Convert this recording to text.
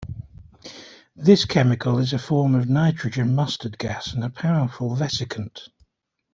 This chemical is a form of nitrogen mustard gas and a powerful vesicant.